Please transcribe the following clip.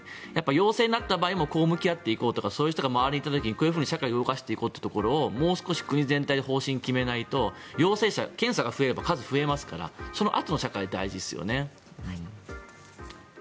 陽性になった場合もこう向き合っていこうとか周りにいた時にこういうふうに社会を動かしていこうというのはもう少し国全体で決めないと陽性者、検査が増えれば数は増えますからそのあとの社会が大事ですよね。